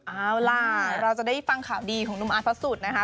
เอาล่ะเราจะได้ฟังข่าวดีของหนุ่มอาร์พระสุดนะคะ